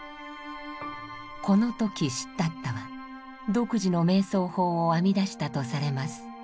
この時シッダッタは独自の瞑想法を編み出したとされます。